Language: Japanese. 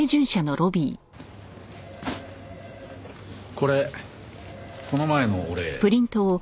これこの前のお礼。